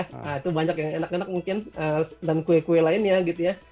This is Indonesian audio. nah itu banyak yang enak enak mungkin dan kue kue lainnya gitu ya